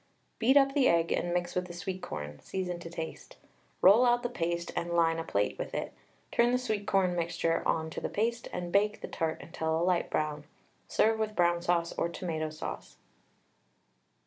Beat up the egg and mix with the sweet corn, season to taste. Roll out the paste and line a plate with it, turn the sweet corn mixture on to the paste, and bake the tart until a light brown. Serve with brown sauce or tomato sauce.